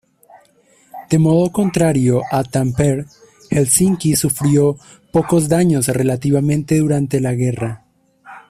De modo contrario a Tampere, Helsinki sufrió pocos daños relativamente durante la guerra.